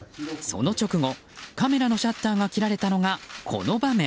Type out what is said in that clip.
その直後、カメラのシャッターが切られたのがこの場面。